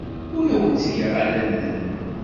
Ur awen-ttgeɣ adellel.